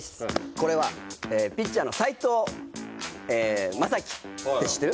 これはピッチャーの斎藤雅樹って知ってる？